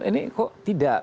ini kok tidak